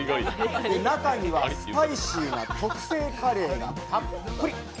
中にはスパイシーな特製カレーがたっぷり。